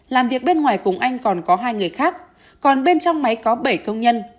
làm việc bên ngoài cùng anh còn có hai người khác còn bên trong máy có bảy công nhân